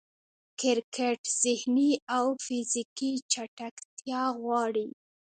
کرکټ ذهني او فزیکي چټکتیا غواړي.